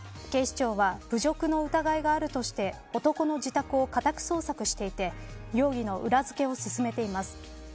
警視庁は侮辱の疑いがあるとして男の自宅を家宅捜索していて容疑の裏付けを進めています。